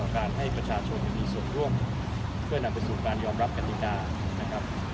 การให้ประชาชนมีส่วนร่วมเพื่อนำไปสู่การยอมรับกติกานะครับ